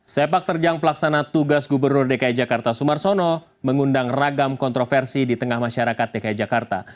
sepak terjang pelaksana tugas gubernur dki jakarta sumarsono mengundang ragam kontroversi di tengah masyarakat dki jakarta